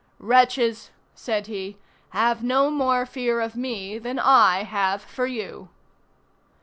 "Wretches!" said he, "have no more fear of me than I have for you!"